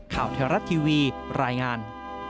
ข่าวแท้รัฐทีวีรายงาน